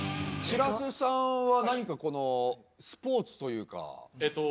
しらすさんは何かこのスポーツというかえっと